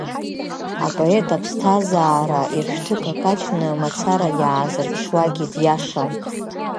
Апоет аԥсҭазаара ыршәҭыкакаҷны мацара иаазырԥшуагьы диашам.